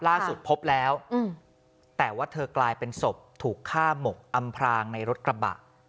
พบแล้วแต่ว่าเธอกลายเป็นศพถูกฆ่าหมกอำพรางในรถกระบะ